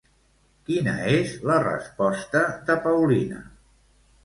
Quina és la resposta de Paulina?